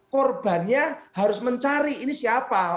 korbannya harus mencari ini siapa